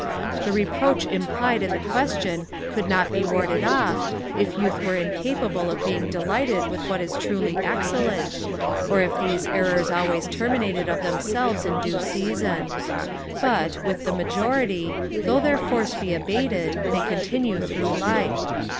The reproach implied in the question could not be warded off, if Youth were incapable of being delighted with what is truly excellent; or, if these errors always terminated of themselves in due season. But, with the majority, though their force be abated, they continue through life.